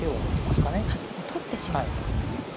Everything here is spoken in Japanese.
あっもう取ってしまうと。